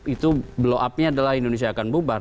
itu blow up nya adalah indonesia akan bubar